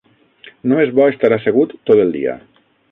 No és bo estar assegut tot el dia.